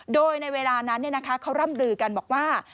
โดยในเวลานั้นเขาร่ำลือกันบอกว่า